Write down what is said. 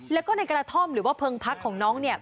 แล้วก็ในกระท่อมหรือว่าเพิงพักของน้องเนี่ย